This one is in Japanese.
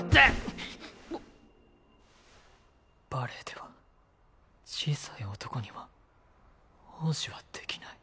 バレエでは小さい男には王子はできない。